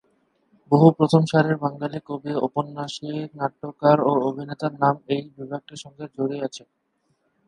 বহু প্রথম সারির বাঙালি কবি, ঔপন্যাসিক, নাট্যকার ও অভিনেতার নাম এই বিভাগটির সঙ্গে জড়িয়ে আছে।